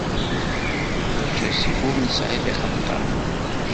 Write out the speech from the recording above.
Ulac asif, ur nesɛi tiqenṭeṛt.